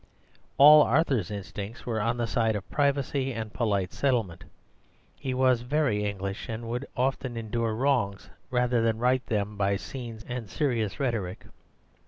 All Arthur's instincts were on the side of privacy and polite settlement; he was very English and would often endure wrongs rather than right them by scenes and serious rhetoric.